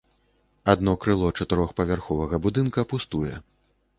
Адно крыло чатырохпавярховага будынка пустуе.